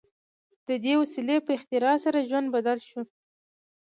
د دې وسیلې په اختراع سره ژوند بدل شو.